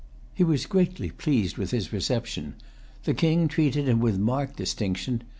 He was greatly pleased with his reception. The King treated him with marked distinction.